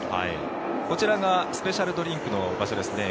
こちらがスペシャルドリンクの場所です。